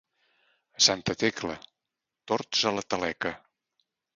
A Santa Tecla, tords a la taleca.